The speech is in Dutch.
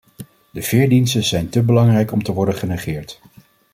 De veerdiensten zijn te belangrijk om te worden genegeerd.